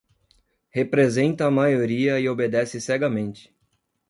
Representa a maioria e obedece cegamente.